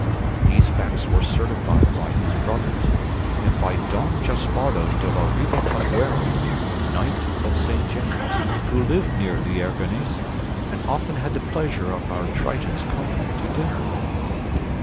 These facts were certified by his brothers, and by Don Gaspardo de la Riba Aguero, Knight of Saint James, who lived near Lierganes, and often had the pleasure of our triton's company to dinner.